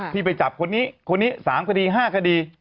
ไปจับคนนี้คนนี้๓คดี๕คดี